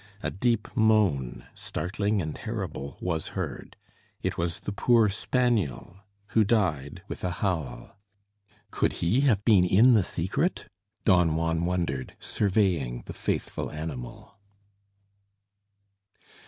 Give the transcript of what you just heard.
A deep moan, startling and terrible, was heard. It was the poor spaniel, who died with a howl. "Could he have been in the secret?" Don Juan wondered, surveying the faithful animal.